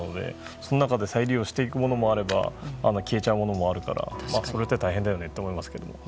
その中で再利用していくものもあれば消えちゃうものもあるのでそれって大変だよねって思いますね。